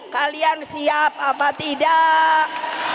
kalian siap apa tidak